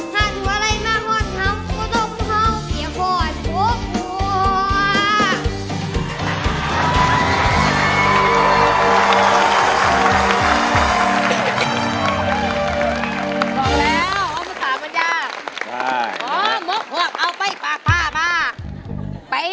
ข้างหัวไหล่มาหอดทำก็ต้องเผาเกี่ยวขอบบกพวก